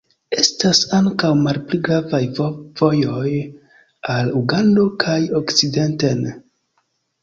Estas ankaŭ malpli gravaj vojoj al Ugando kaj okcidenten.